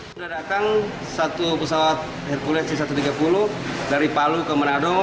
sudah datang satu pesawat hercules c satu ratus tiga puluh dari palu ke manado